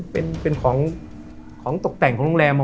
เป็นของตกแต่งของโรงแรม